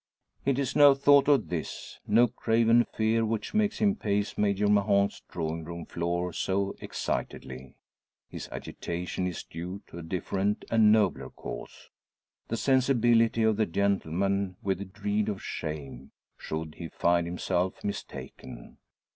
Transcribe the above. It is no thought of this, no craven fear which makes him pace Major Mahon's drawing room floor so excitedly. His agitation is due to a different and nobler cause the sensibility of the gentleman, with the dread of shame, should he find himself mistaken.